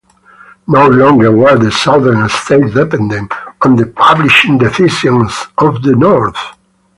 No longer were the Southern states dependent on the publishing decisions of the North.